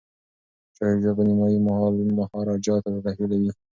شاه شجاع به نیمایي مال مهاراجا ته تحویلوي.